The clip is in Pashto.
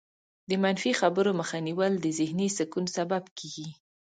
د منفي خبرو مخه نیول د ذهني سکون سبب کېږي.